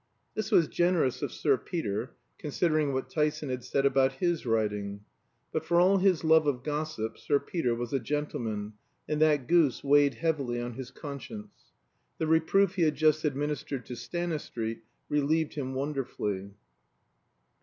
This was generous of Sir Peter, considering what Tyson had said about his riding. But for all his love of gossip Sir Peter was a gentleman, and that goose weighed heavily on his conscience. The reproof he had just administered to Stanistreet relieved him wonderfully.